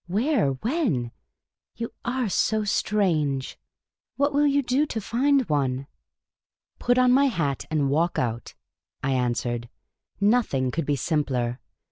" Where ? When ? You are so strange ! What will you do to find one ?"" Put on my hat and walk out," I answered. " Nothing could be simpler.